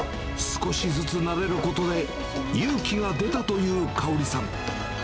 少しずつ慣れることで、勇気が出たという香里さん。